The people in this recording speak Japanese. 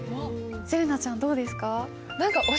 せれなちゃんどうですか？